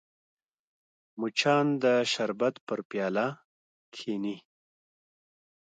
مچان د شربت پر پیاله کښېني